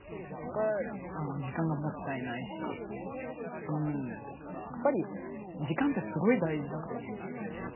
時間がもったいないしうんやっぱり時間ってすごい大事だと思うんですよね。